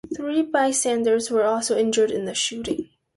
Three bystanders were also injured in the shooting.